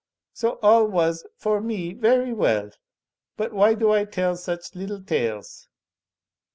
So all was, for me, very well. But why do I tell such little tales?"